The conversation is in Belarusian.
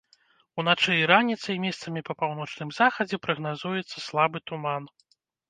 Уначы і раніцай месцамі па паўночным захадзе прагназуецца слабы туман.